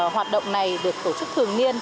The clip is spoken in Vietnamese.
hoạt động này được tổ chức thường niên